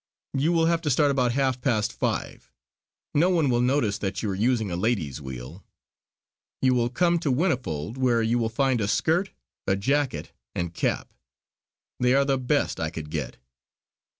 You will have to start about half past five. No one will notice that you are using a lady's wheel. You will come to Whinnyfold where you will find a skirt and jacket and cap. They are the best I could get.